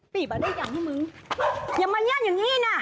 ปีบาได้ยังไหมมึงอย่ามาหย่าอย่างนี้นะ